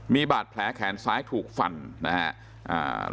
มีบาดแผลแขนซ้ายถูกฝั่นนะฮะ